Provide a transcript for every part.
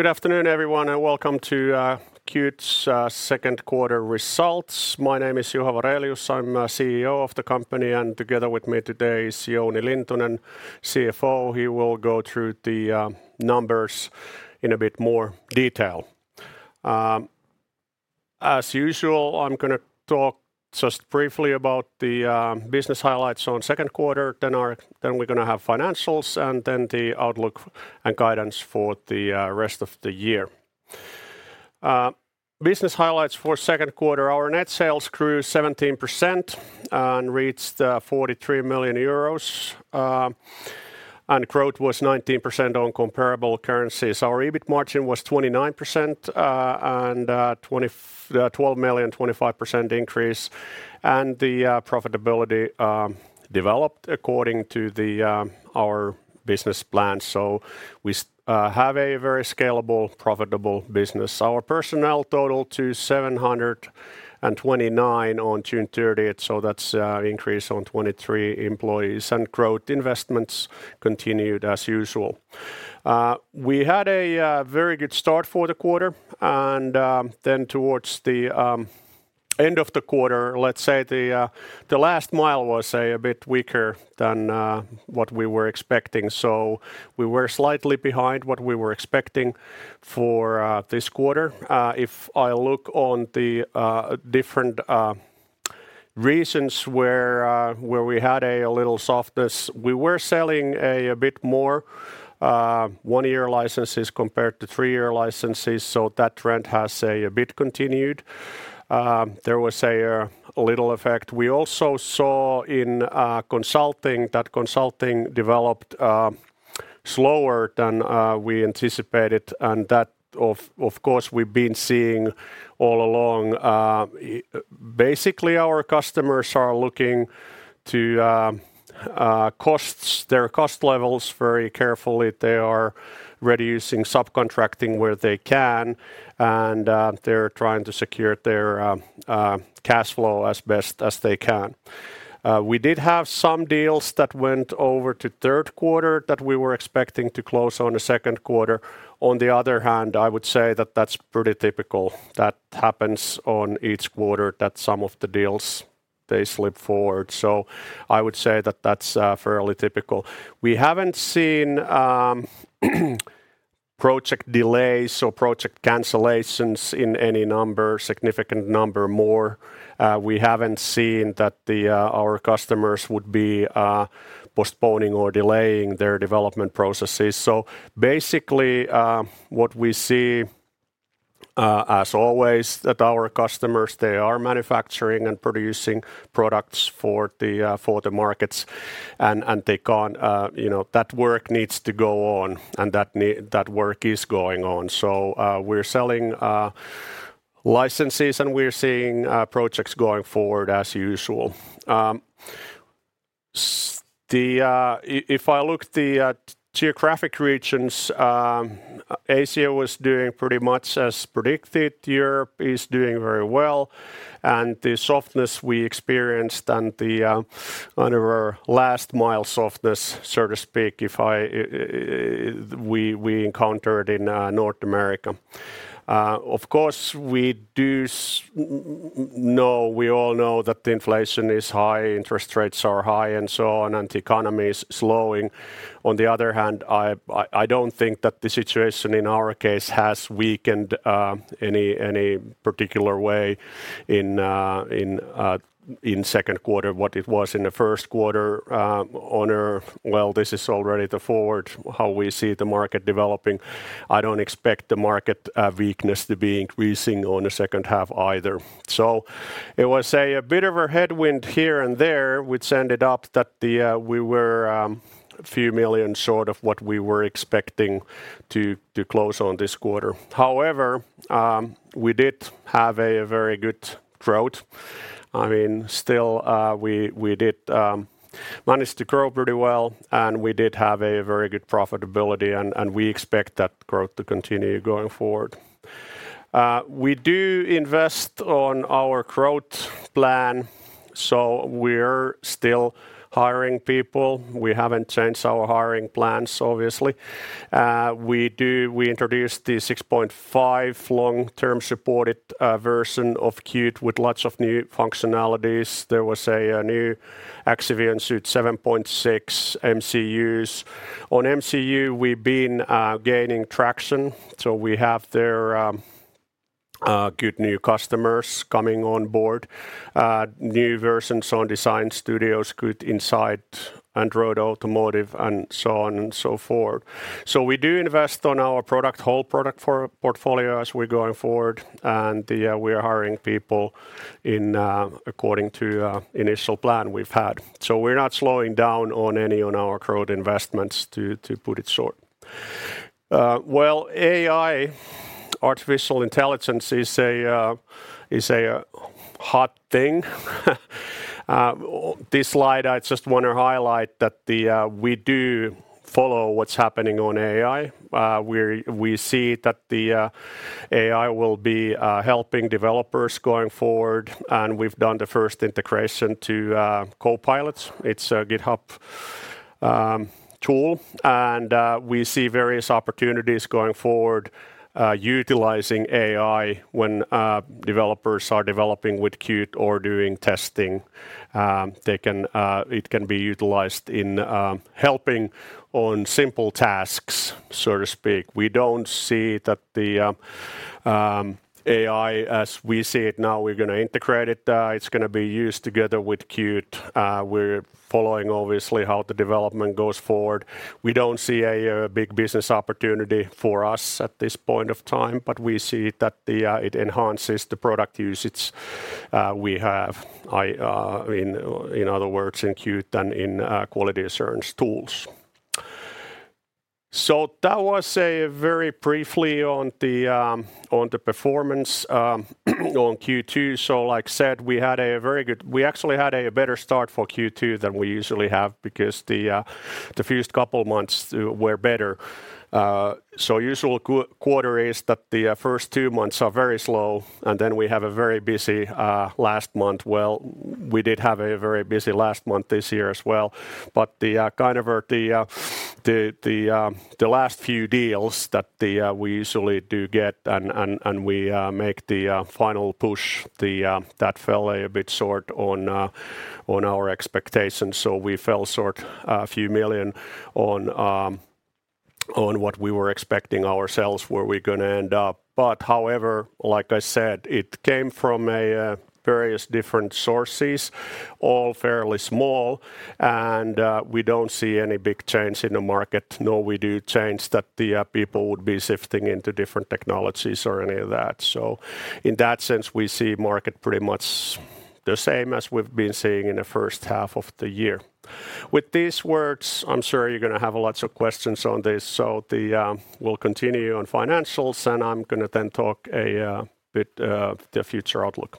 Good afternoon, everyone, welcome to Qt's second quarter results. My name is Juha Varelius. I'm CEO of the company, and together with me today is Jouni Lintunen, CFO. He will go through the numbers in a bit more detail. As usual, I'm gonna talk just briefly about the business highlights on second quarter, then we're gonna have financials and then the outlook and guidance for the rest of the year. Business highlights for second quarter, our net sales grew 17%, and reached 43 million euros, and growth was 19% on comparable currencies. Our EBIT margin was 29%, and 12 million, 25% increase, and the profitability developed according to the our business plan. We have a very scalable, profitable business. Our personnel total to 729 on June 30th, so that's an increase on 23 employees, and growth investments continued as usual. We had a very good start for the quarter, and then towards the end of the quarter, let's say the last mile was a bit weaker than what we were expecting. We were slightly behind what we were expecting for this quarter. If I look on the different reasons where we had a little softness, we were selling a bit more 1-year licenses compared to 3-year licenses, so that trend has a bit continued. There was a little effect. We also saw in consulting, that consulting developed slower than we anticipated, and that of course, we've been seeing all along. Basically, our customers are looking to costs, their cost levels very carefully. They are reducing subcontracting where they can, and they're trying to secure their cash flow as best as they can. We did have some deals that went over to third quarter that we were expecting to close on the second quarter. On the other hand, I would say that that's pretty typical. That happens on each quarter, that some of the deals, they slip forward. I would say that that's fairly typical. We haven't seen project delays or project cancellations in any number, significant number more. We haven't seen that the... our customers would be postponing or delaying their development processes. Basically, what we see, as always, that our customers, they are manufacturing and producing products for the markets, and they can't, you know, that work needs to go on, and that work is going on. We're selling licenses, and we're seeing projects going forward as usual. If I look at geographic regions, Asia was doing pretty much as predicted. Europe is doing very well, and the softness we experienced and the one of our last mile softness, so to speak, we encountered in North America. Of course, we all know that the inflation is high, interest rates are high, and so on, and the economy is slowing. On the other hand, I don't think that the situation in our case has weakened, any particular way in, in second quarter, what it was in the first quarter, on our. Well, this is already the forward, how we see the market developing. I don't expect the market weakness to be increasing on the second half either. It was, say, a bit of a headwind here and there, which ended up that the we were EUR few million short of what we were expecting to, to close on this quarter. However, we did have a very good growth. I mean, still, we did manage to grow pretty well, and we did have a very good profitability, and we expect that growth to continue going forward. We do invest on our growth plan, so we're still hiring people. We haven't changed our hiring plans, obviously. We introduced the 6.5 long-term supported version of Qt with lots of new functionalities. There was a new Axivion Suite 7.6 MCUs. On MCU, we've been gaining traction, so we have there good new customers coming on board, new versions on design studios, Qt Insight, Android Automotive, and so on and so forth. We do invest on our product, whole product portfolio as we're going forward, and we are hiring people in according to initial plan we've had. We're not slowing down on any on our growth investments, to put it short. Well, AI, artificial intelligence, is a hot thing. This slide, I just want to highlight that we do follow what's happening on AI. We see that AI will be helping developers going forward, and we've done the first integration to Copilot. It's a GitHub tool, and we see various opportunities going forward, utilizing AI when developers are developing with Qt or doing testing. They can, it can be utilized in helping on simple tasks, so to speak. We don't see that AI, as we see it now, we're gonna integrate it, it's gonna be used together with Qt. We're following obviously how the development goes forward. We don't see a big business opportunity for us at this point of time, but we see that it enhances the product usage we have. I, in other words, in Qt than in quality assurance tools. That was a very briefly on the performance on Q2. Like I said, we had a very good. We actually had a better start for Q2 than we usually have because the first couple months were better. Usual quarter is that the first two months are very slow, and then we have a very busy last month. Well, we did have a very busy last month this year as well, but the kind of the the the last few deals that we usually do get and, and, and we make the final push, that fell a bit short on our expectations, so we fell short EUR few million on what we were expecting ourselves, where we're gonna end up. However, like I said, it came from a various different sources, all fairly small and we don't see any big change in the market, nor we do change that the people would be sifting into different technologies or any of that. In that sense, we see market pretty much the same as we've been seeing in the first half of the year. With these words, I'm sure you're gonna have lots of questions on this. We'll continue on financials, and I'm gonna then talk a bit the future outlook.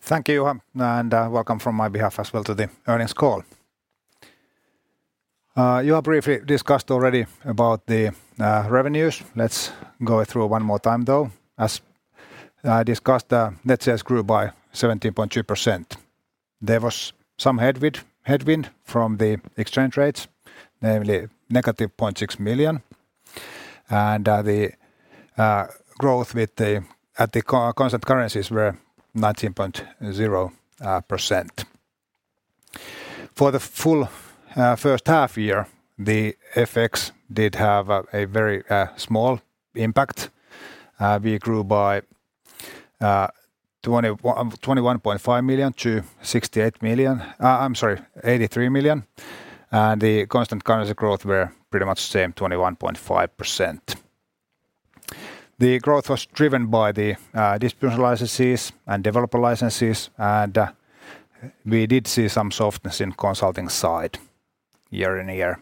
Thank you, Juha, welcome from my behalf as well to the earnings call. Juha briefly discussed already about the revenues. Let's go through one more time, though. As I discussed, the net sales grew by 17.2%. There was some headwind, headwind from the exchange rates, namely -$0.6 million. The growth with the constant currencies were 19.0%. For the full first half year, the FX did have a very small impact. We grew by $21.5 million to $68 million... I'm sorry, $83 million, and the constant currency growth were pretty much the same, 21.5%. The growth was driven by the distribution licenses and developer licenses, we did see some softness in consulting side year-on-year.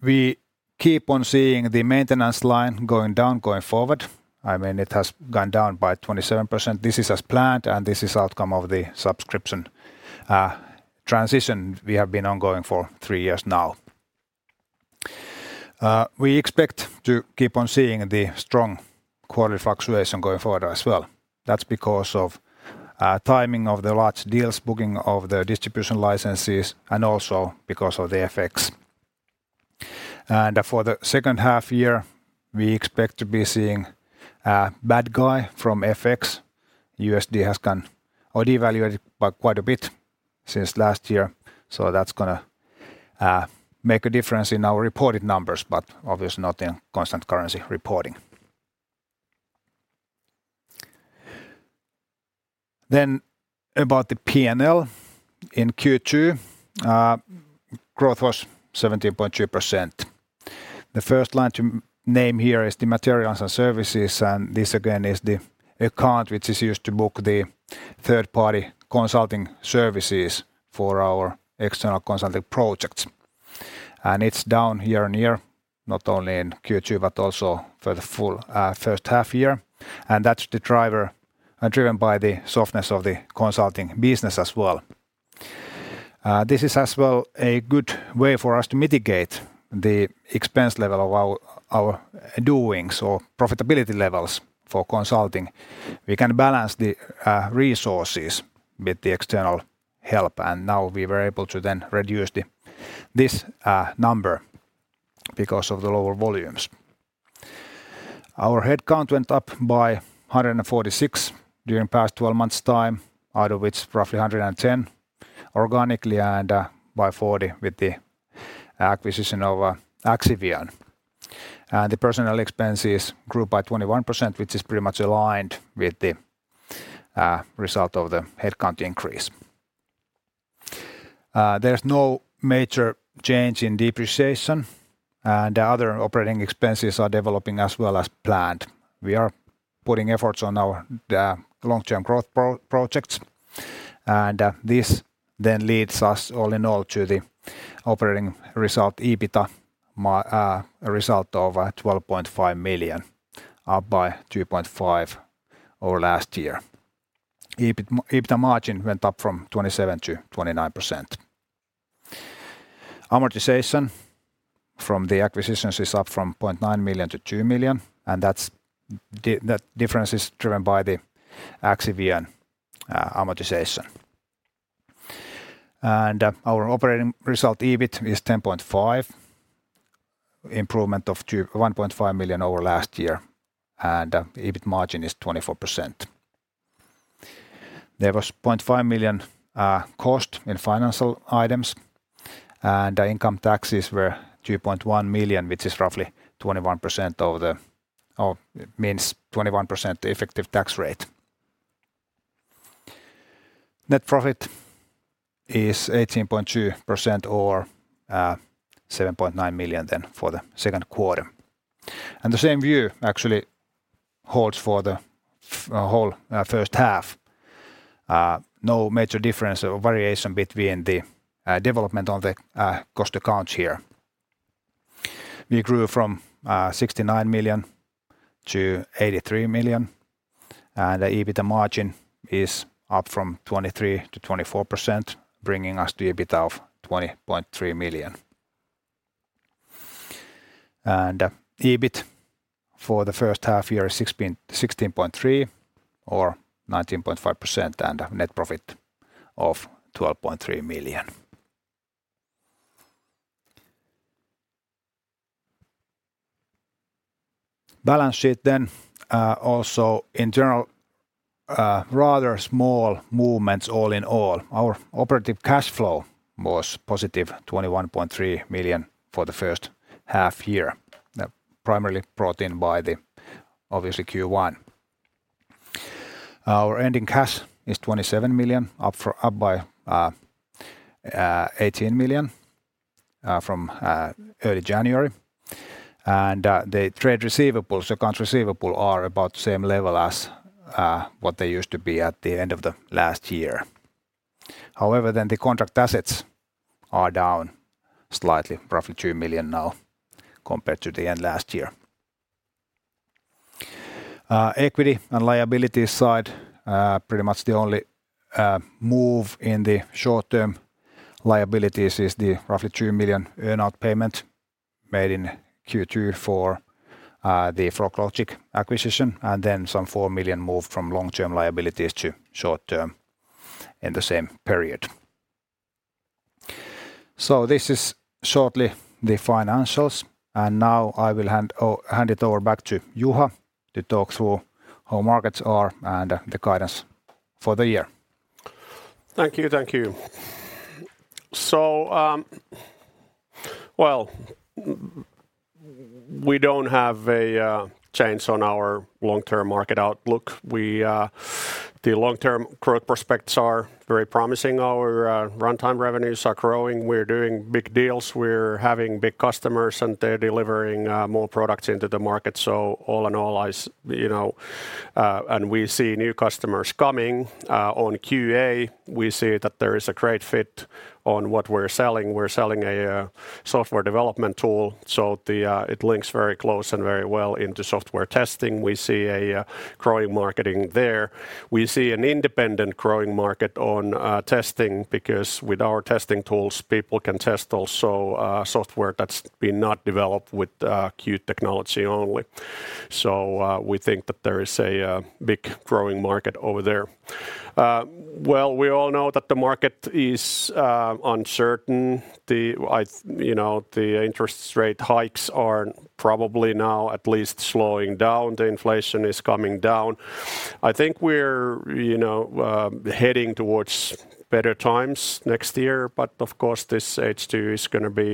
We keep on seeing the maintenance line going down, going forward. I mean, it has gone down by 27%. This is as planned, this is outcome of the subscription transition we have been ongoing for 3 years now. We expect to keep on seeing the strong quarter fluctuation going forward as well. That's because of timing of the large deals, booking of the distribution licenses, and also because of the FX. For the second half year, we expect to be seeing a bad guy from FX. USD has gone or devaluated by quite a bit since last year, so that's gonna make a difference in our reported numbers, but obviously not in constant currency reporting. About the P&L. In Q2, growth was 17.2%. The first line to name here is the materials and services, this again is the account which is used to book the third-party consulting services for our external consulting projects. It's down year-on-year, not only in Q2, but also for the full first half year, and that's the driver, driven by the softness of the consulting business as well. This is as well a good way for us to mitigate the expense level of our, our doings or profitability levels for consulting. We can balance the resources with the external help, and now we were able to then reduce the, this number because of the lower volumes. Our headcount went up by 146 during the past 12 months' time, out of which roughly 110 organically and by 40 with the acquisition of Axivion. The personnel expenses grew by 21%, which is pretty much aligned with the result of the headcount increase. There's no major change in depreciation, and the other operating expenses are developing as well as planned. We are putting efforts on our long-term growth projects, and this then leads us, all in all, to the operating result, EBITDA result of 12.5 million, up by 2.5 million over last year. EBITDA margin went up from 27% to 29%. Amortization from the acquisitions is up from 0.9 million to 2 million, and that difference is driven by the Axivion amortization. Our operating result, EBIT, is 10.5 million, improvement of 1.5 million over last year, and EBIT margin is 24%. There was $0.5 million cost in financial items, our income taxes were $2.1 million, which is roughly 21% or means 21% effective tax rate. Net profit is 18.2% or $7.9 million then for the second quarter. The same view actually holds for the whole first half. No major difference or variation between the development on the cost accounts here. We grew from $69 million to $83 million, and the EBITDA margin is up from 23%-24%, bringing us to EBITDA of $20.3 million. EBIT for the first half year is $16.3 million or 19.5%, and a net profit of $12.3 million. Balance sheet, also in general, rather small movements all in all. Our operative cash flow was positive $21.3 million for the first half-year, primarily brought in by the, obviously, Q1. Our ending cash is $27 million, up by $18 million from early January. The trade receivables, accounts receivable, are about the same level as what they used to be at the end of the last year. However, the contract assets are down slightly, roughly $2 million now compared to the end last year. Equity and liability side, pretty much the only move in the short-term liabilities is the roughly $2 million earn out payment made in Q2 for the froglogic acquisition, and then some $4 million moved from long-term liabilities to short-term in the same period. This is shortly the financials, and now I will hand hand it over back to Juha to talk through how markets are and the guidance for the year. Thank you. Thank you. Well, we don't have a change on our long-term market outlook. We. The long-term growth prospects are very promising. Our runtime revenues are growing. We're doing big deals. We're having big customers, and they're delivering more products into the market. All in all, I s- you know, and we see new customers coming. On QA, we see that there is a great fit on what we're selling. We're selling a software development tool, so the it links very close and very well into software testing. We see a growing marketing there. We see an independent growing market on testing, because with our testing tools, people can test also software that's been not developed with Qt technology only. We think that there is a big growing market over there. Well, we all know that the market is uncertain. You know, the interest rate hikes are probably now at least slowing down. The inflation is coming down. I think we're, you know, heading towards better times next year, but of course, this H2 is gonna be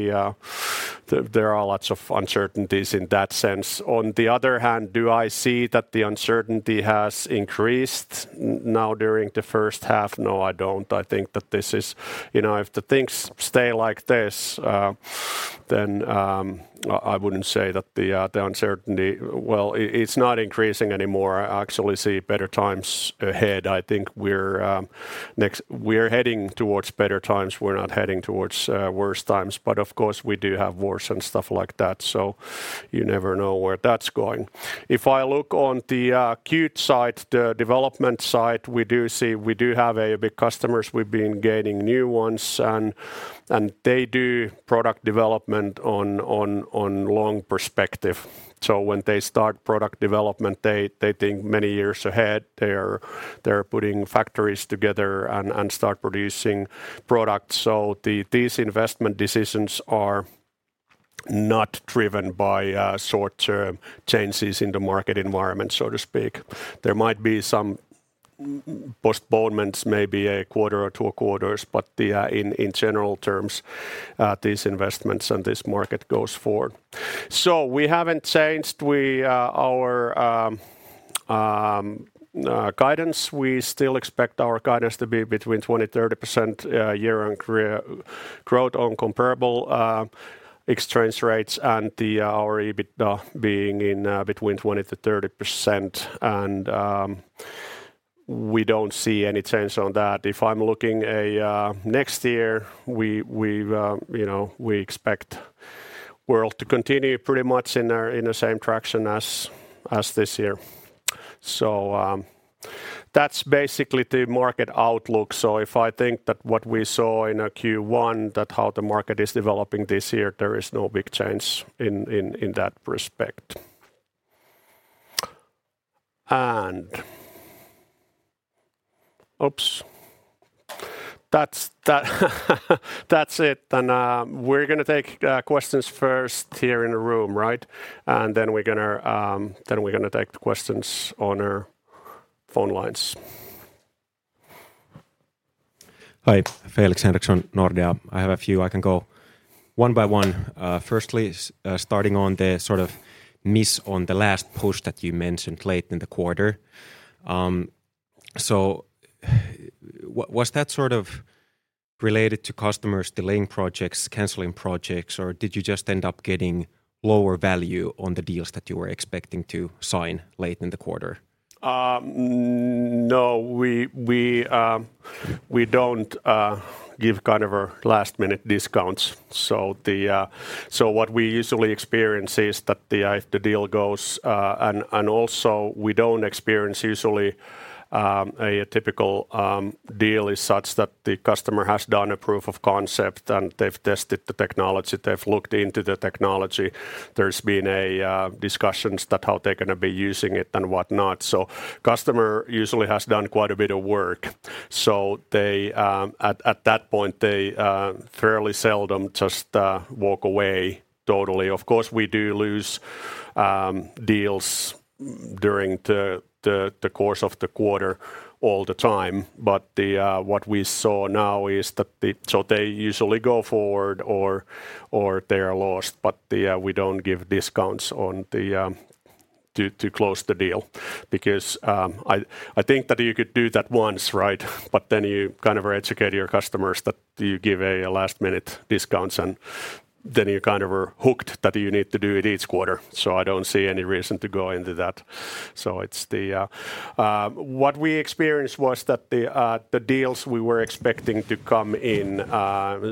th- there are lots of uncertainties in that sense. On the other hand, do I see that the uncertainty has increased n-now during the first half? No, I don't. I think that this is... You know, if the things stay like this, then, I, I wouldn't say that the uncertainty, Well, it, it's not increasing anymore. I actually see better times ahead. I think we're, next-- we're heading towards better times. We're not heading towards worse times. Of course, we do have wars and stuff like that. You never know where that's going. If I look on the Qt side, the development side, we do have big customers. We've been gaining new ones. They do product development on long perspective. When they start product development, they think many years ahead. They're putting factories together and start producing products. These investment decisions are not driven by short-term changes in the market environment, so to speak. There might be some postponements, maybe a quarter or two quarters. In general terms, these investments and this market goes forward. We haven't changed our guidance. We still expect our guidance to be between 20%-30% year-on-growth on comparable exchange rates and our EBIT being in between 20%-30%. We don't see any change on that. If I'm looking next year, we, we, you know, we expect world to continue pretty much in the same traction as this year. That's basically the market outlook. If I think that what we saw in Q1, that how the market is developing this year, there is no big change in that respect. Oops. That's that that's it. We're gonna take questions first here in the room, right? Then we're gonna, then we're gonna take the questions on our phone lines. Hi, Felix Henriksson, Nordea. I have a few. I can go one by one. Firstly, s- starting on the sort of miss on the last post that you mentioned late in the quarter. W- was that sort of related to customers delaying projects, canceling projects, or did you just end up getting lower value on the deals that you were expecting to sign late in the quarter? No, we, we don't give kind of a last-minute discounts. What we usually experience is that the deal goes, and also we don't experience usually, a typical deal is such that the customer has done a proof of concept, and they've tested the technology. They've looked into the technology. There's been discussions that how they're gonna be using it and whatnot. Customer usually has done quite a bit of work, so they, at that point, they fairly seldom just walk away totally. Of course, we do lose deals during the course of the quarter all the time, but what we saw now is that the they usually go forward or, or they're lost. We don't give discounts on the to, to close the deal because, I, I think that you could do that once, right? But then you kind of educate your customers that you give a last-minute discounts, and then you're kind of are hooked that you need to do it each quarter. I don't see any reason to go into that. It's the what we experienced was that the the deals we were expecting to come in,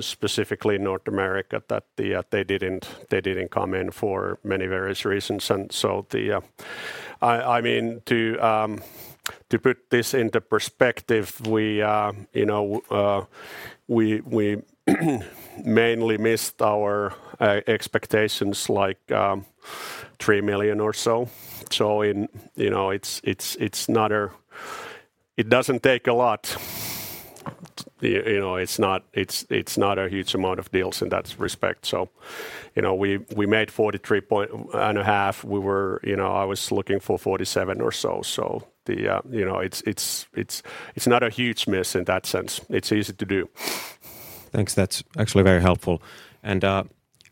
specifically in North America, that the they didn't, they didn't come in for many various reasons. I, I mean, to to put this into perspective, we, you know, we, we mainly missed our expectations, like, $3 million or so. You know, it's, it's, it's not a... It doesn't take a lot. You know, it's not, it's, it's not a huge amount of deals in that respect, so, you know, we, we made 43.5. We were. You know, I was looking for 47 or so. The, you know, it's, it's, it's, it's not a huge miss in that sense. It's easy to do. Thanks. That's actually very helpful.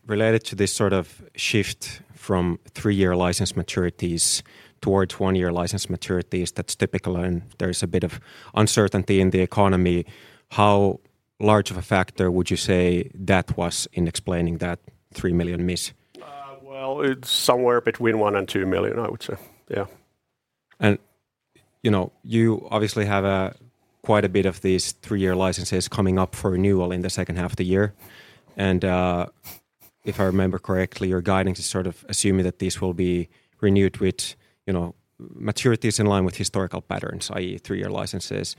Related to this sort of shift from 3-year license maturities towards 1-year license maturities, that's typical, and there is a bit of uncertainty in the economy. How large of a factor would you say that was in explaining that $3 million miss? Well, it's somewhere between 1 million and 2 million, I would say. Yeah. You know, you obviously have a quite a bit of these three-year licenses coming up for renewal in the second half of the year. If I remember correctly, your guidance is sort of assuming that these will be renewed with, you know, maturities in line with historical patterns, i.e., three-year licenses.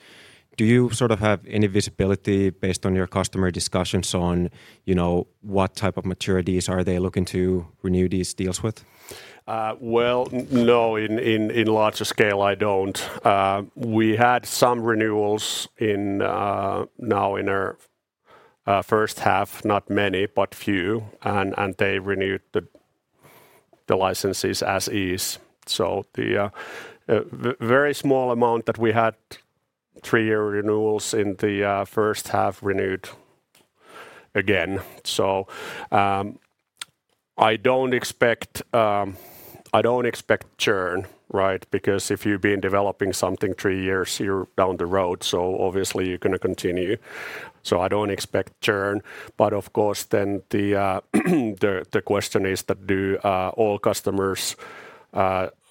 Do you sort of have any visibility based on your customer discussions on, you know, what type of maturities are they looking to renew these deals with? Well, no, in, in, in larger scale, I don't. We had some renewals in now in our first half, not many, but few, and, and they renewed the, the licenses as is. The v- very small amount that we had 3-year renewals in the first half renewed again. I don't expect I don't expect churn, right? Because if you've been developing something 3 years, you're down the road, so obviously you're gonna continue. I don't expect churn, but of course, then the the the question is that do all customers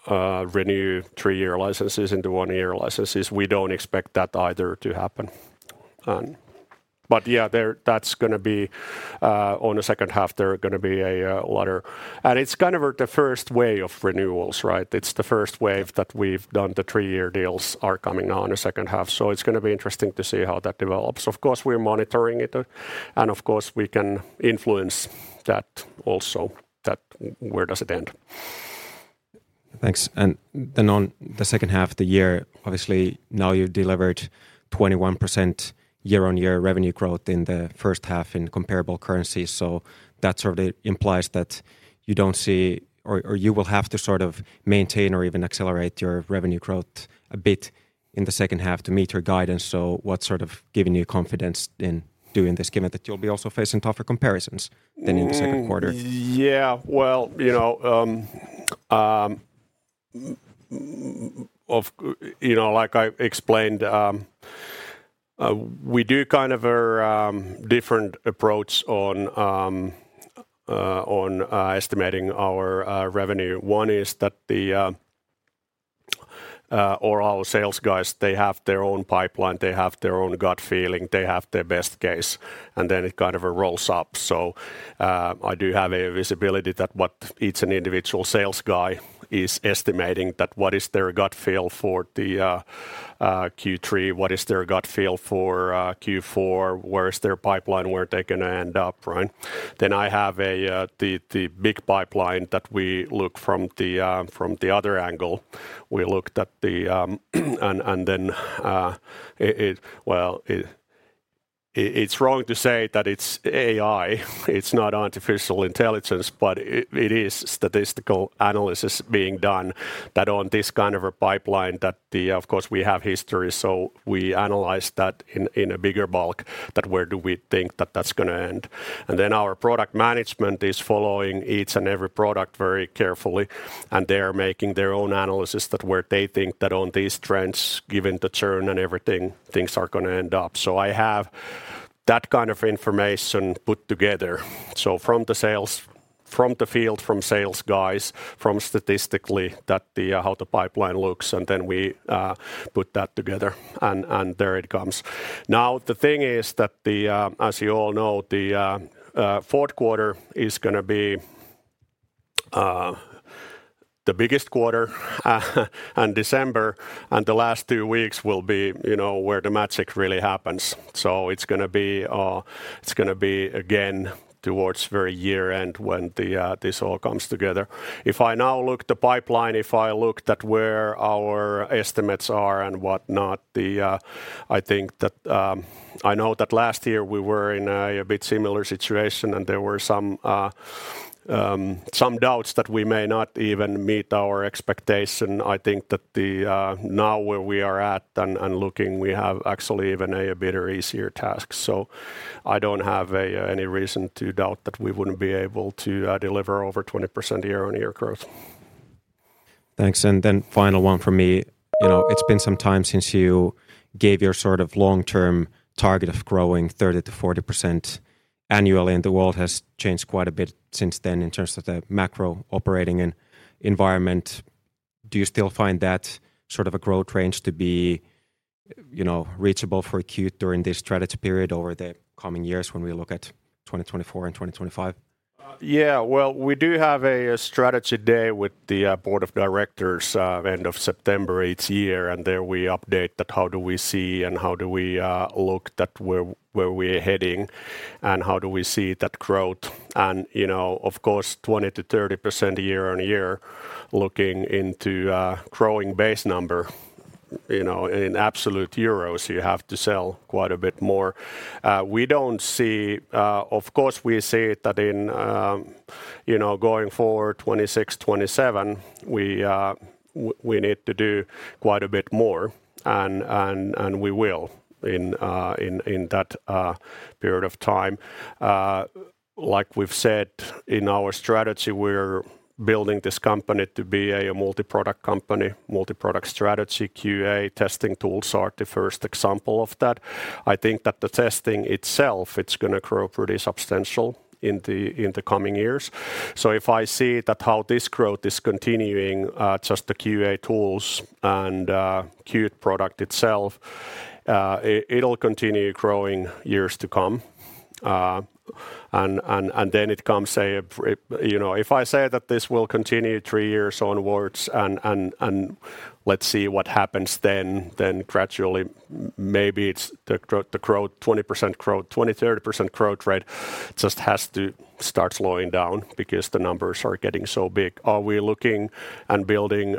renew 3-year licenses into 1-year licenses? We don't expect that either to happen. Yeah, there, that's gonna be on the second half, there are gonna be a lotter. It's kind of the first wave of renewals, right? It's the first wave that we've done. The three-year deals are coming now in the second half. It's gonna be interesting to see how that develops. Of course, we're monitoring it, and of course, we can influence that also, that where does it end? Thanks. Then on the second half of the year, obviously, now you've delivered 21% year-on-year revenue growth in the first half in comparable currencies. That sort of implies that you don't see or you will have to sort of maintain or even accelerate your revenue growth a bit in the second half to meet your guidance. What's sort of giving you confidence in doing this, given that you'll be also facing tougher comparisons?than in the second quarter? Yeah, well, you know, you know, like I explained, we do kind of a different approach on estimating our revenue. One is that or our sales guys, they have their own pipeline, they have their own gut feeling, they have their best case, and then it kind of rolls up. I do have a visibility that what each and individual sales guy is estimating that what is their gut feel for the Q3? What is their gut feel for Q4? Where is their pipeline, where they're gonna end up, right? I have the big pipeline that we look from the other angle. We looked at the, and then, it. Well, it, it's wrong to say that it's AI. It's not artificial intelligence, but it, it is statistical analysis being done that on this kind of a pipeline that the. Of course, we have history, so we analyze that in, in a bigger bulk, that where do we think that that's gonna end? Then our product management is following each and every product very carefully, and they're making their own analysis that where they think that on these trends, given the churn and everything, things are gonna end up. I have that kind of information put together. From the sales from the field, from sales guys, from statistically that the how the pipeline looks, and then we put that together, and, and there it comes. The thing is that the, as you all know, the fourth quarter is gonna be the biggest quarter and December, and the last 2 weeks will be, you know, where the magic really happens. It's gonna be, it's gonna be again towards very year-end when the this all comes together. I now look the pipeline, if I look at where our estimates are and what not, the. I think that, I know that last year we were in a bit similar situation, and there were some some doubts that we may not even meet our expectation. I think that the, now where we are at and looking, we have actually even a better, easier task. I don't have any reason to doubt that we wouldn't be able to deliver over 20% year-on-year growth. Thanks. Then final one from me. You know, it's been some time since you gave your sort of long-term target of growing 30%-40% annually, and the world has changed quite a bit since then in terms of the macro operating and environment. Do you still find that sort of a growth range to be, you know, reachable for Qt during this strategy period over the coming years when we look at 2024 and 2025? Yeah, well, we do have a strategy day with the board of directors end of September each year, and there we update that how do we see and how do we look that where we're heading, and how do we see that growth. You know, of course, 20%-30% year-on-year, looking into growing base number, you know, in absolute euros, you have to sell quite a bit more. We don't see... Of course, we see that in, you know, going forward, 2026, 2027, we need to do quite a bit more, and we will in that period of time. Like we've said in our strategy, we're building this company to be a multiproduct company, multiproduct strategy, QA testing tools are the first example of that. I think that the testing itself, it's gonna grow pretty substantial in the coming years. If I see that how this growth is continuing, just the QA tools and Qt product itself, it'll continue growing years to come. Then it comes a You know, if I say that this will continue three years onwards, and let's see what happens then, then gradually, maybe it's the growth, 20% growth, 20%-30% growth rate just has to start slowing down because the numbers are getting so big. Are we looking and building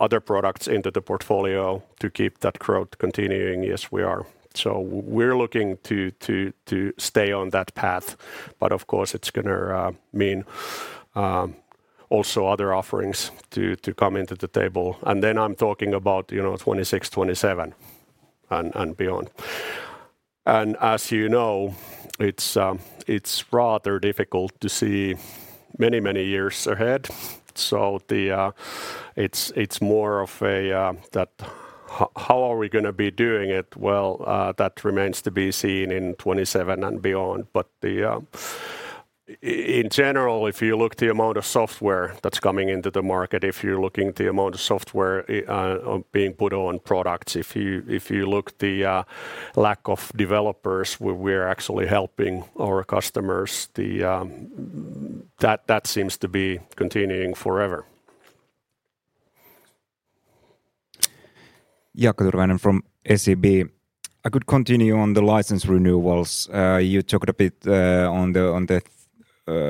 other products into the portfolio to keep that growth continuing? Yes, we are. We're looking to, to, to stay on that path, but of course, it's gonna mean also other offerings to, to come into the table. Then I'm talking about, you know, 2026, 2027 and, and beyond. As you know, it's, it's rather difficult to see many, many years ahead. The, it's, it's more of a that how are we gonna be doing it? Well, that remains to be seen in 2027 and beyond. The in general, if you look the amount of software that's coming into the market, if you're looking at the amount of software being put on products, if you, if you look the lack of developers, where we're actually helping our customers, the that, that seems to be continuing forever. Jaakko Tyrväinen from SEB. I could continue on the license renewals. You talked a bit on the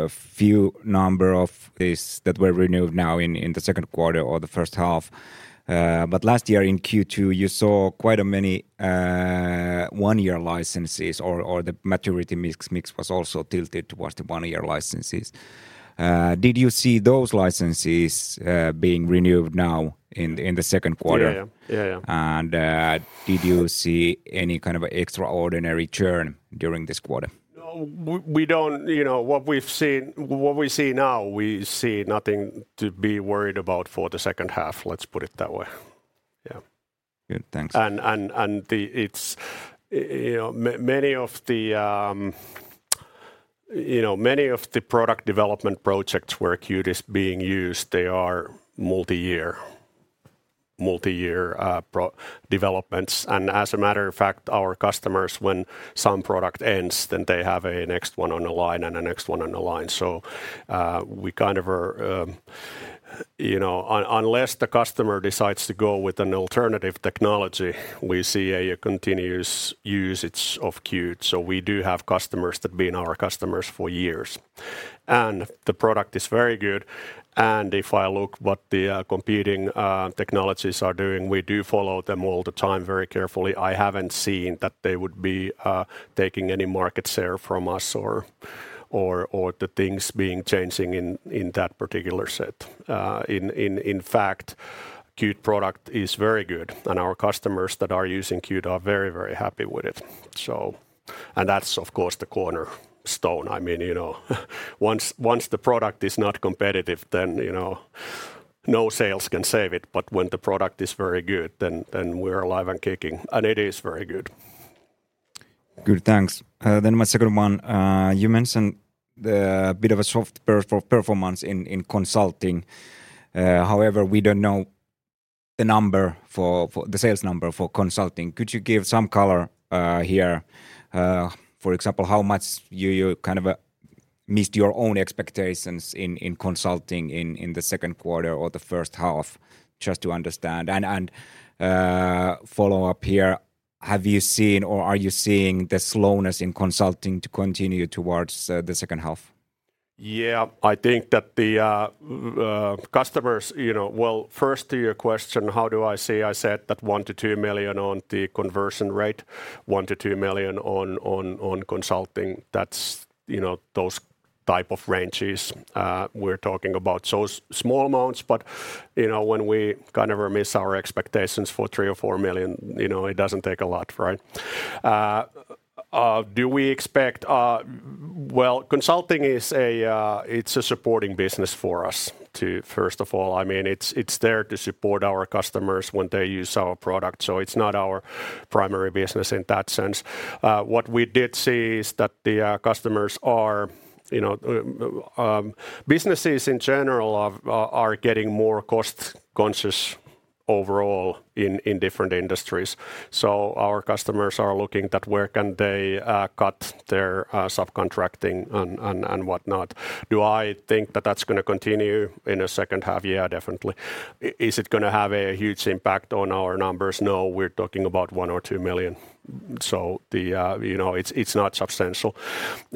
few number of these that were renewed now in, in the second quarter or the first half. Last year in Q2, you saw quite a many 1-year licenses or the maturity mix was also tilted towards the 1-year licenses. Did you see those licenses being renewed now in the, in the second quarter? Yeah. Yeah, yeah. Did you see any kind of extraordinary churn during this quarter? No, we don't. You know, what we see now, we see nothing to be worried about for the second half, let's put it that way. Yeah. Good, thanks. You know, many of the product development projects where Qt is being used, they are multi-year, multi-year, developments. As a matter of fact, our customers, when some product ends, then they have a next one on the line and the next one on the line. We kind of are, you know, unless the customer decides to go with an alternative technology, we see a continuous usage of Qt. We do have customers that have been our customers for years, and the product is very good. If I look what the competing technologies are doing, we do follow them all the time very carefully. I haven't seen that they would be taking any market share from us or, or, or the things being changing in that particular set. In fact, Qt product is very good, and our customers that are using Qt are very, very happy with it. That's, of course, the cornerstone. I mean, you know, once, once the product is not competitive, then, you know, no sales can save it, but when the product is very good, then, then we're alive and kicking, and it is very good. Good, thanks. My second one, you mentioned the bit of a soft per- for performance in consulting. However, we don't know the number for the sales number for consulting. Could you give some color here? For example, how much you, you kind of, missed your own expectations in consulting in the second quarter or the first half, just to understand? Follow-up here, have you seen or are you seeing the slowness in consulting to continue towards the second half? Yeah, I think that the customers, you know. Well, first to your question, how do I say? I said that $1 million-$2 million on the conversion rate, $1 million-$2 million on, on, on consulting. That's, you know, those type of ranges we're talking about. So small amounts, but, you know, when we kind of miss our expectations for $3 million-$4 million, you know, it doesn't take a lot, right? Do we expect? Well, consulting is a supporting business for us, too, first of all. I mean, it's there to support our customers when they use our product, so it's not our primary business in that sense. What we did see is that the customers are, you know, businesses in general are getting more cost-conscious overall in different industries. Our customers are looking at where can they cut their subcontracting and whatnot. Do I think that that's going to continue in the second half? Yeah, definitely. Is it going to have a huge impact on our numbers? No, we're talking about $1 million or $2 million, so the, you know, it's not substantial.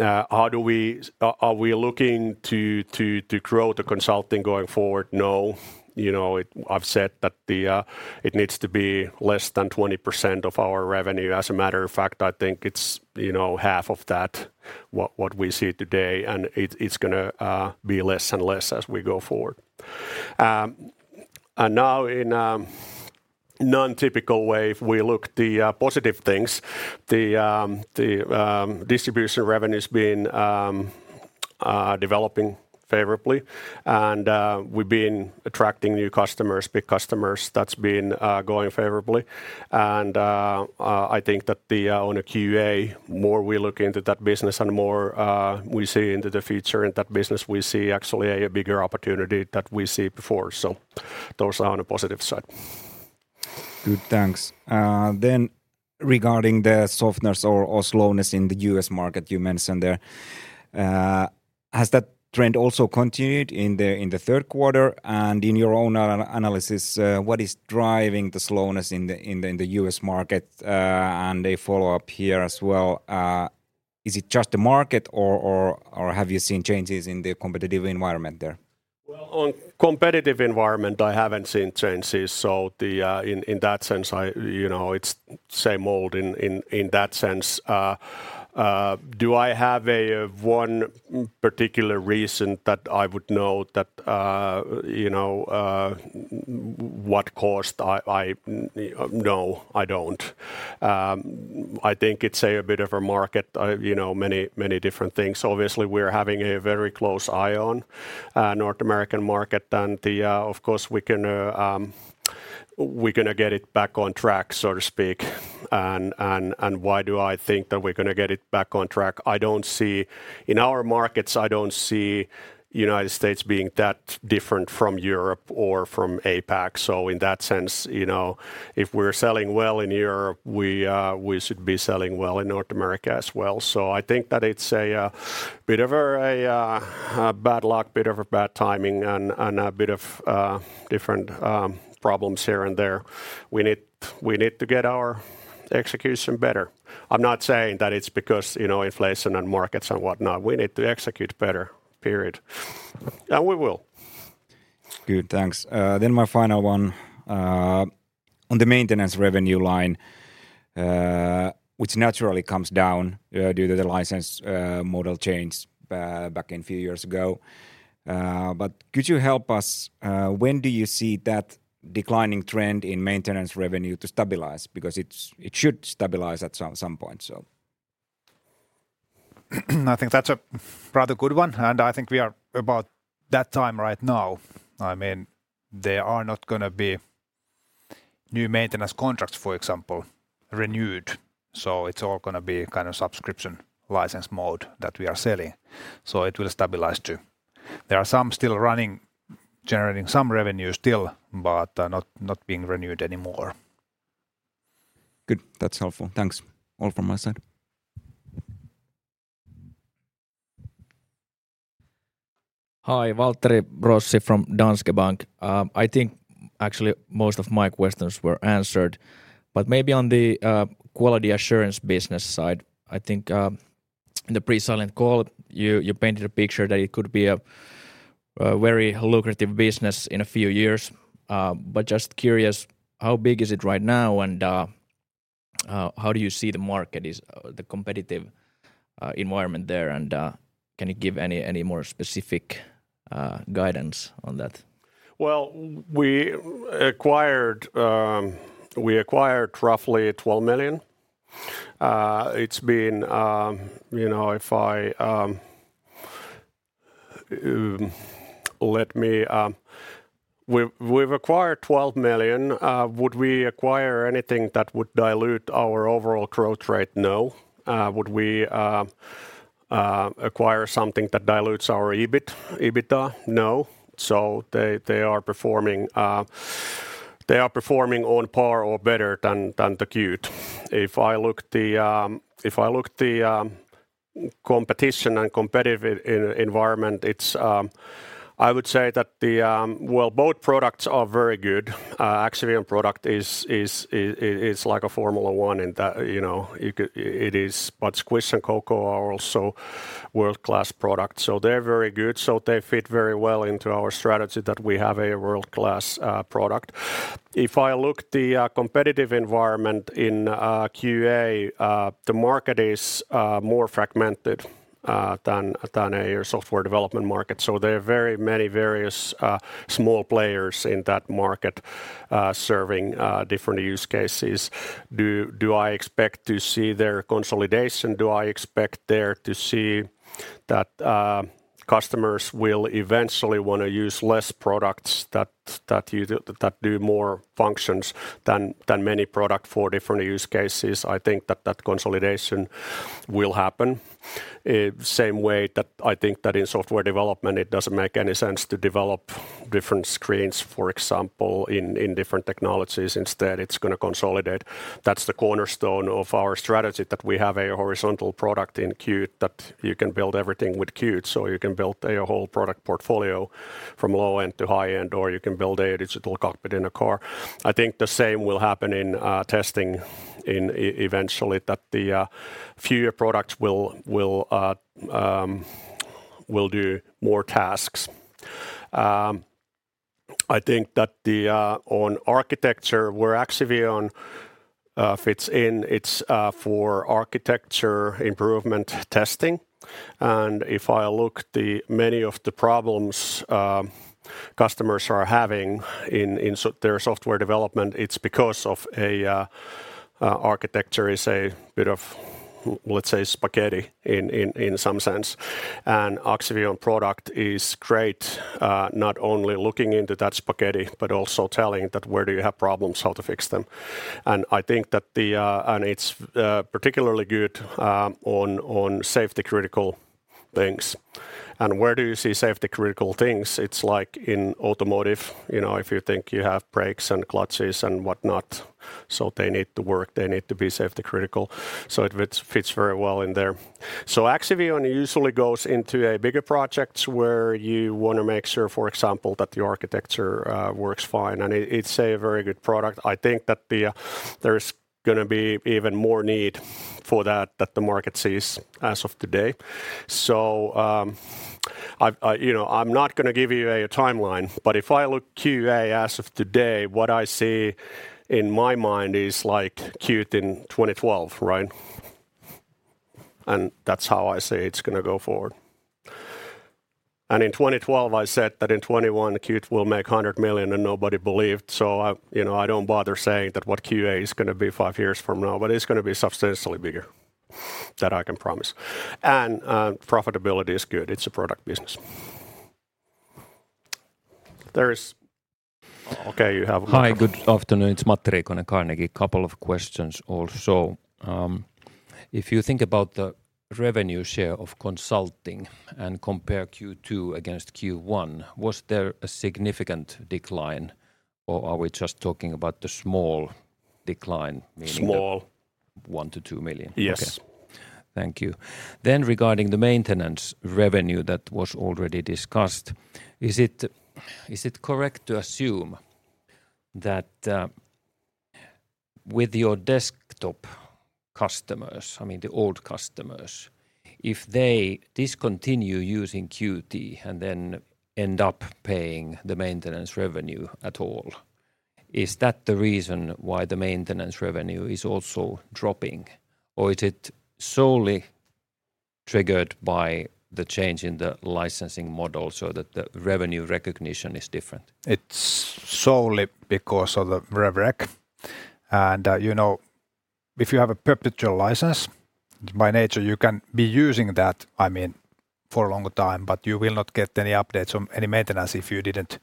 Are we looking to grow the consulting going forward? No. You know, I've said that the, it needs to be less than 20% of our revenue. As a matter of fact, I think it's, you know, half of that, what we see today, and it's gonna be less and less as we go forward. Now in a non-typical way, if we look the positive things, the the distribution revenue has been developing favorably, and we've been attracting new customers, big customers. That's been going favorably. I think that the on a QA, the more we look into that business and the more we see into the future in that business, we see actually a bigger opportunity than we see before, so those are on the positive side. Good, thanks. Regarding the softness or, or slowness in the U.S. market, you mentioned there, has that trend also continued in the, in the third quarter? In your own analysis, what is driving the slowness in the, in the, in the U.S. market? A follow-up here as well, is it just the market or, or, or have you seen changes in the competitive environment there? Well, on competitive environment, I haven't seen changes, so the... In that sense, I, you know, it's same old in that sense. Do I have a one particular reason that I would know that, you know, what caused? I... No, I don't. I think it's a bit of a market, you know, many, many different things. Obviously, we're having a very close eye on North American market and the... Of course, we can, we're going to get it back on track, so to speak. Why do I think that we're going to get it back on track? I don't see... In our markets, I don't see United States being that different from Europe or from APAC. In that sense, you know, if we're selling well in Europe, we should be selling well in North America as well. I think that it's a bit of a bad luck, bit of a bad timing, and a bit of different problems here and there. We need, we need to get our execution better. I'm not saying that it's because, you know, inflation and markets and whatnot. We need to execute better, period, and we will. Good, thanks. My final one, on the maintenance revenue line, which naturally comes down, due to the license model change, back in few years ago. Could you help us, when do you see that declining trend in maintenance revenue to stabilize? Because it should stabilize at some, some point, so. I think that's a rather good one. I think we are about that time right now. I mean, there are not going to be new maintenance contracts, for example, renewed. It's all gonna be kind of subscription license mode that we are selling. It will stabilize, too. There are some still running, generating some revenue still, not, not being renewed anymore. Good. That's helpful. Thanks. All from my side. Hi, Waltteri Rossi from Danske Bank. I think actually most of my questions were answered, maybe on the quality assurance business side, I think, in the pre-silent call, you, you painted a picture that it could be a very lucrative business in a few years. Just curious, how big is it right now? How do you see the market is the competitive environment there, and can you give any, any more specific guidance on that? Well, we acquired, we acquired roughly $12 million. It's been, you know, We've, we've acquired $12 million. Would we acquire anything that would dilute our overall growth rate? No. Would we acquire something that dilutes our EBIT, EBITDA? No. They, they are performing, they are performing on par or better than the Qt. If I look the, if I look the competition and competitive environment, it's, I would say that. Well, both products are very good. Axivion product is, is, is, is like a Formula One in that, you know, it is, but Squish and Coco are also world-class products, so they're very good. They fit very well into our strategy that we have a world-class product. If I look the competitive environment in QA, the market is more fragmented than, than a software development market. There are very many various small players in that market, serving different use cases. Do, do I expect to see their consolidation? Do I expect there to see that customers will eventually wanna use less products that, that that, that do more functions than, than many product for different use cases? I think that that consolidation will happen. Same way that I think that in software development, it doesn't make any sense to develop different screens, for example, in different technologies. Instead, it's gonna consolidate. That's the cornerstone of our strategy, that we have a horizontal product in Qt, that you can build everything with Qt, so you can build a whole product portfolio from low-end to high-end, or you can build a digital cockpit in a car. I think the same will happen in testing eventually, that the fewer products will, will do more tasks. I think that the on architecture, where Axivion fits in, it's for architecture improvement testing, and if I look the many of the problems customers are having in their software development, it's because of a architecture is a bit of, let's say, spaghetti in, in, in some sense. Axivion product is great, not only looking into that spaghetti, but also telling that where do you have problems, how to fix them. I think that the... It's particularly good on safety critical things. Where do you see safety critical things? It's like in automotive, you know, if you think you have brakes and clutches and whatnot, they need to work, they need to be safety critical, it fits, fits very well in there. Axivion usually goes into a bigger projects where you wanna make sure, for example, that the architecture works fine, it, it's a very good product. I think that the, there's gonna be even more need for that, that the market sees as of today. I, I, you know, I'm not gonna give you a timeline, but if I look QA as of today, what I see in my mind is like Qt in 2012, right? That's how I say it's gonna go forward. In 2012, I said that in 2021, Qt will make 100 million, and nobody believed, so I, you know, I don't bother saying that what QA is gonna be five years from now, but it's gonna be substantially bigger, that I can promise. Profitability is good. It's a product business. There is... Okay, you have- Hi, good afternoon. It's Matti Riikonen, Carnegie. A couple of questions also. If you think about the revenue share of consulting and compare Q2 against Q1, was there a significant decline, or are we just talking about the small decline, meaning-? Small 1 million-2 million? Yes. Okay. Thank you. Regarding the maintenance revenue that was already discussed, is it, is it correct to assume that with your desktop customers, I mean, the old customers, if they discontinue using Qt and then end up paying the maintenance revenue at all, is that the reason why the maintenance revenue is also dropping, or is it solely triggered by the change in the licensing model so that the revenue recognition is different? It's solely because of the rev rec. You know. if you have a perpetual license, by nature, you can be using that, I mean, for a longer time, but you will not get any updates or any maintenance if you didn't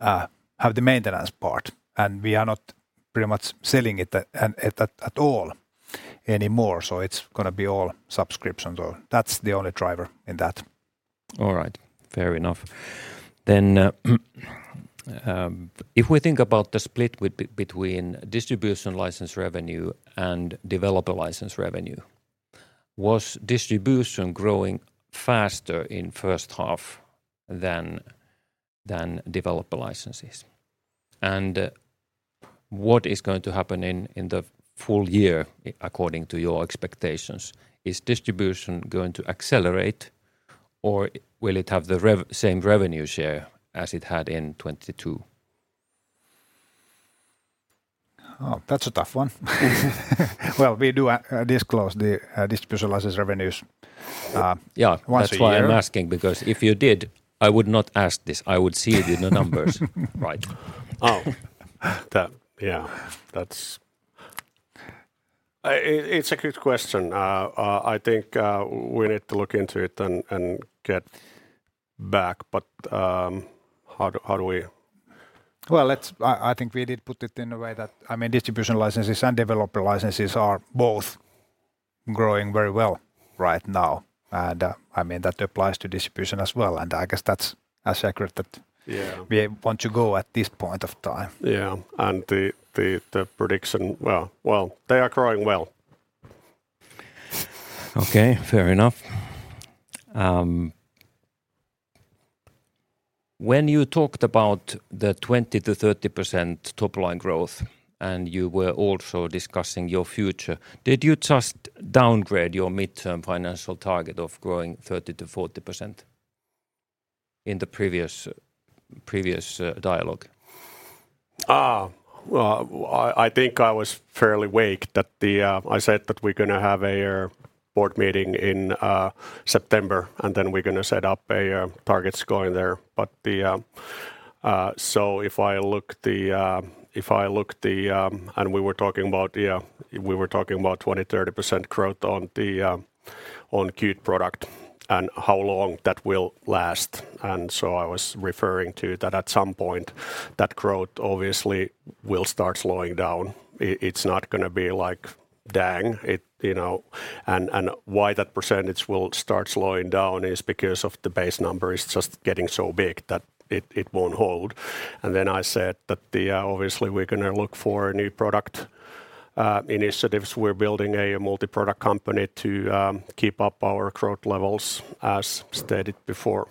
have the maintenance part. We are not pretty much selling it at, at, at all anymore, so it's gonna be all subscriptions or... That's the only driver in that. All right. Fair enough. If we think about the split between distribution license revenue and developer license revenue, was distribution growing faster in first half than, than developer licenses? What is going to happen in the full year, according to your expectations? Is distribution going to accelerate, or will it have the same revenue share as it had in 2022? Oh, that's a tough one. We do disclose the distribution license revenues. Yeah once a year. That's why I'm asking, because if you did, I would not ask this. I would see it in the numbers. Right. Oh, that... Yeah, that's... it's a good question. I think, we need to look into it and get back, but, how do we- Well, let's... I, I think we did put it in a way that, I mean, distribution licenses and developer licenses are both growing very well right now. I mean, that applies to distribution as well, and I guess that's as accurate that we want to go at this point of time. Yeah, the prediction, well, well, they are growing well. Okay, fair enough. When you talked about the 20%-30% top line growth, and you were also discussing your future, did you just downgrade your midterm financial target of growing 30%-40% in the previous, previous, dialogue? Ah, well, I, I think I was fairly vague that the... I said that we're gonna have a board meeting in September, and then we're gonna set up targets going there. The, so if I look the, if I look the... We were talking about, yeah, we were talking about 20%-30% growth on the Qt product and how long that will last. So I was referring to that at some point, that growth obviously will start slowing down. It, it's not gonna be, like, dang, it, you know? Why that percentage will start slowing down is because of the base number is just getting so big that it, it won't hold. Then I said that the, obviously, we're gonna look for a new product, initiatives. We're building a multi-product company to keep up our growth levels, as stated before.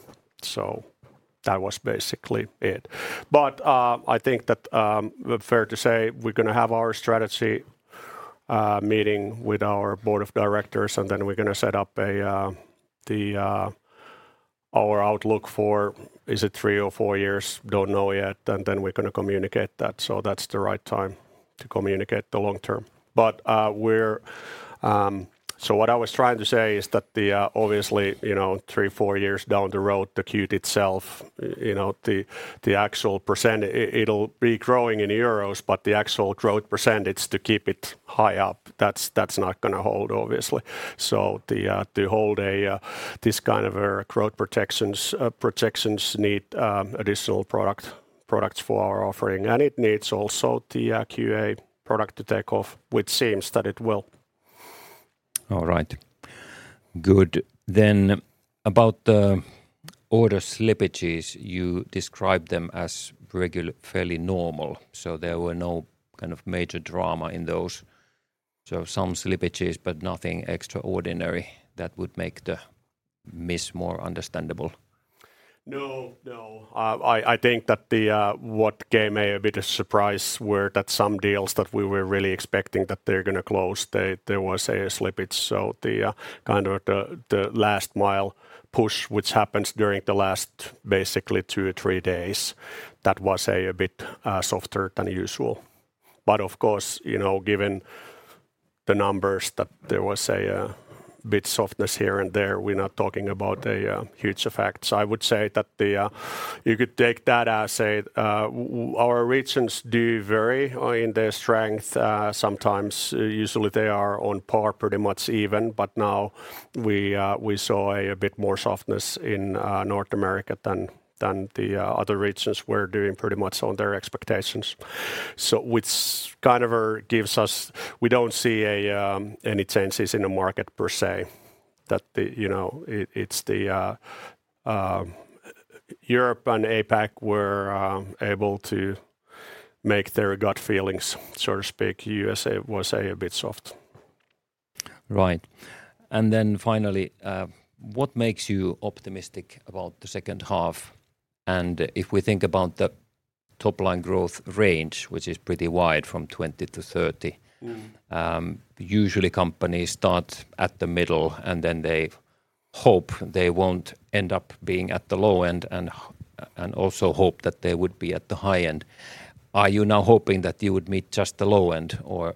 That was basically it. I think that, fair to say, we're gonna have our strategy meeting with our board of directors, and then we're gonna set up our outlook for, is it 3 or 4 years? Don't know yet. Then we're gonna communicate that, so that's the right time to communicate the long term. We're... What I was trying to say is that obviously, you know, 3, 4 years down the road, the Qt itself, you know, the actual %, it'll be growing in euros, but the actual growth % to keep it high up, that's, that's not gonna hold, obviously. The whole, this kind of a growth projections, protections need, additional product, products for our offering, and it needs also the QA product to take off, which seems that it will. All right. Good. About the order slippages, you described them as regular, fairly normal, so there were no kind of major drama in those. Some slippages, but nothing extraordinary that would make the miss more understandable. No, no. I, I think that the what came a bit of surprise were that some deals that we were really expecting that they're gonna close, they- there was a slippage. The kind of the, the last mile push, which happens during the last basically 2 or 3 days, that was a bit softer than usual. Of course, you know, given the numbers, that there was bit softness here and there, we're not talking about a huge effect. I would say that the you could take that as our regions do vary in their strength. Sometimes, usually they are on par, pretty much even, now we saw a bit more softness in North America than, than the other regions were doing pretty much on their expectations. Which kind of gives us. We don't see a any changes in the market, per se, that the, you know, it's the Europe and APAC were able to make their gut feelings, so to speak. USA was a bit soft. Right. Then finally, what makes you optimistic about the second half? If we think about the top-line growth range, which is pretty wide, from 20%-30% usually companies start at the middle, and then they hope they won't end up being at the low end, and also hope that they would be at the high end. Are you now hoping that you would meet just the low end or-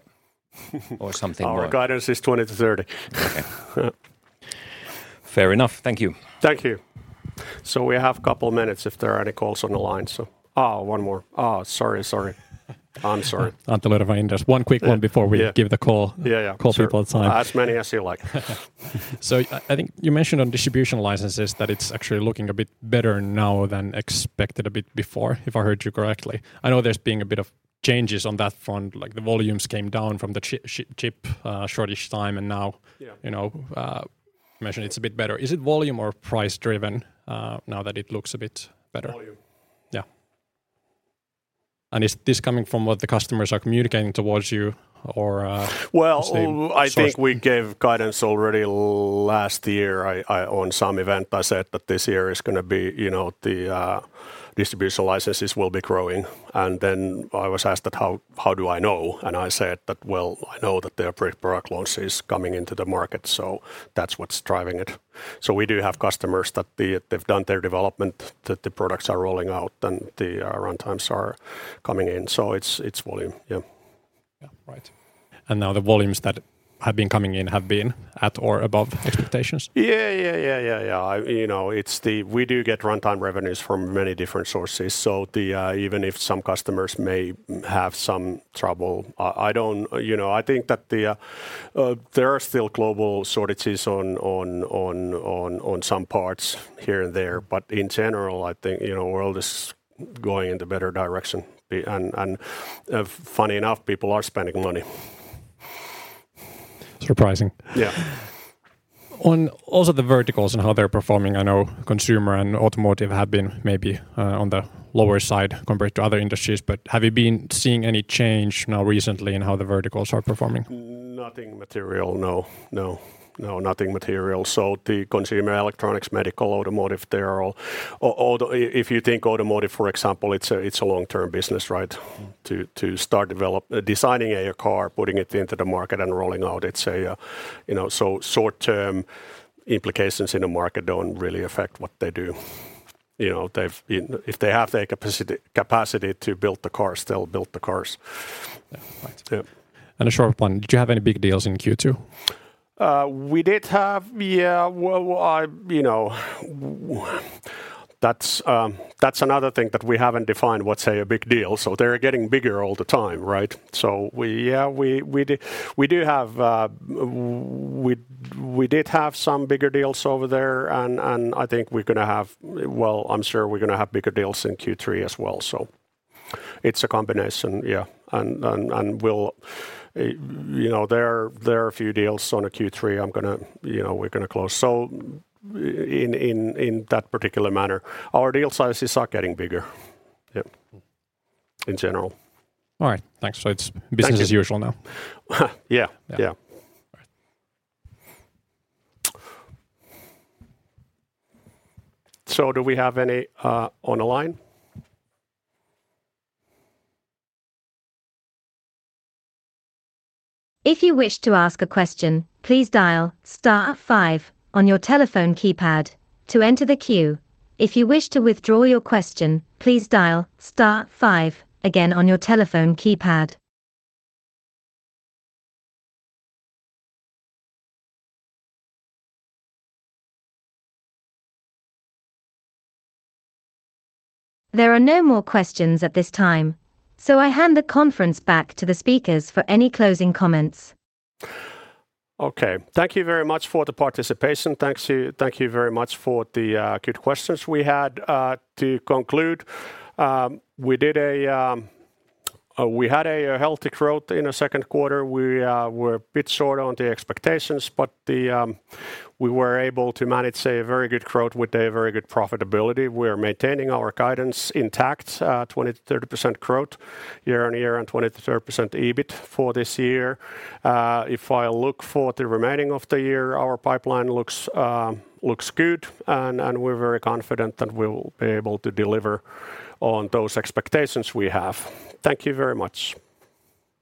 - or something more? Our guidance is 20%-30%. Okay. Fair enough. Thank you. Thank you. We have a couple of minutes if there are any calls on the line. Oh, one more. Oh, sorry, sorry. I'm sorry. Antti Luiro, Inderes. One quick one before we give the call Yeah, yeah. Call people on the line. As many as you like. I, I think you mentioned on distribution licenses that it's actually looking a bit better now than expected a bit before, if I heard you correctly. I know there's been a bit of changes on that front, like the volumes came down from the chip shortage time, and now you know, mentioned it's a bit better. Is it volume or price driven, now that it looks a bit better? Volume. Yeah. Is this coming from what the customers are communicating towards you or, just the source? Well, I think we gave guidance already last year. I, I... On some event, I said that this year is gonna be, you know, the distribution licenses will be growing. Then I was asked that how, how do I know? I said that, "Well, I know that there are pre- product launches coming into the market," so that's what's driving it. We do have customers that they, they've done their development, that the products are rolling out, and the runtimes are coming in, so it's, it's volume. Yeah. Yeah, right. Now the volumes that have been coming in have been at or above expectations? Yeah, yeah, yeah, yeah, yeah. You know, We do get runtime revenues from many different sources. Even if some customers may have some trouble, You know, I think that the there are still global shortages on some parts here and there, but in general, I think, you know, world is going in the better direction. Funny enough, people are spending money. Surprising. Yeah. Also the verticals and how they're performing, I know consumer and automotive have been maybe, on the lower side compared to other industries, but have you been seeing any change now recently in how the verticals are performing? Nothing material. No, no. No, nothing material. The consumer electronics, medical, automotive, they're all... Although if you think automotive, for example, it's a, it's a long-term business, right? To start designing a car, putting it into the market, and rolling out, it's a, you know. Short-term implications in the market don't really affect what they do. You know, they've been. If they have the capacity to build the cars, they'll build the cars. Yeah. Right. Yeah. A short one, did you have any big deals in Q2? We did have, yeah. Well, I... You know, that's another thing that we haven't defined, what's a big deal, so they're getting bigger all the time, right? We, yeah, we, we did... We do have, we, we did have some bigger deals over there, and I think we're gonna have... Well, I'm sure we're gonna have bigger deals in Q3 as well, so it's a combination. Yeah, and, and, and we'll, you know, there are, there are a few deals on the Q3 I'm gonna, you know, we're gonna close. In, in, in that particular manner, our deal sizes are getting bigger. Yep. In general. All right. Thanks. it'sbusiness as usual now? Yeah. Yeah. Yeah. All right. Do we have any on the line? If you wish to ask a question, please dial star five on your telephone keypad to enter the queue. If you wish to withdraw your question, please dial star five again on your telephone keypad. There are no more questions at this time. I hand the conference back to the speakers for any closing comments. Okay. Thank you very much for the participation. Thank you very much for the good questions we had. To conclude, we had a healthy growth in the second quarter. We were a bit short on the expectations, but we were able to manage, say, a very good growth with a very good profitability. We are maintaining our guidance intact, 20%-30% growth year-on-year and 20%-30% EBIT for this year. If I look for the remaining of the year, our pipeline looks good, and we're very confident that we will be able to deliver on those expectations we have. Thank you very much.